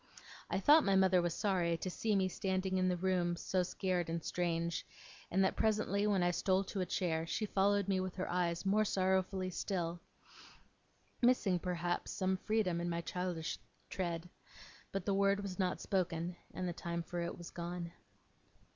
I thought my mother was sorry to see me standing in the room so scared and strange, and that, presently, when I stole to a chair, she followed me with her eyes more sorrowfully still missing, perhaps, some freedom in my childish tread but the word was not spoken, and the time for it was gone.